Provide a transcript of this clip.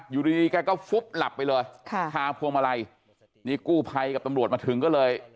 อยู่ดีแกก็ฟุบหลับไปเลยค่ะคาพวงมาลัยนี่กู้ภัยกับตำรวจมาถึงก็เลย